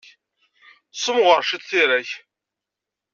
Ssemɣer ciṭ tira-k!